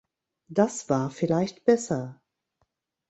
Das war vielleicht besser.